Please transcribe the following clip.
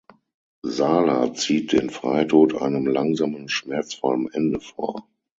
Sala zieht den Freitod einem langsamen, schmerzvollen Ende vor.